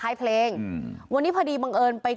และบังเอิญก็เรื่องคอนเสิร์ก